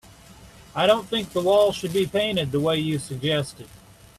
I don't think this wall should be painted the way you suggested.